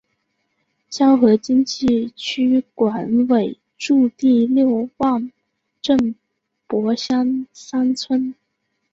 胶河经济区管委驻地六汪镇柏乡三村。